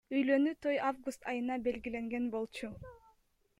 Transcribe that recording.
Үйлөнүү той август айына белгиленген болчу.